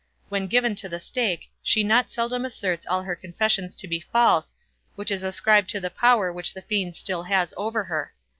When given to the stake, she not seldom asserts all her confessions to be false, which is ascribed to the power which the fiend still has over her.